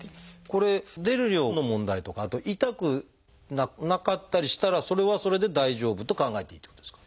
これ出る量の問題とかあと痛くなかったりしたらそれはそれで大丈夫と考えていいってことですか？